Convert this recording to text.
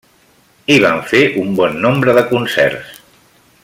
I van fer un bon nombre de concerts.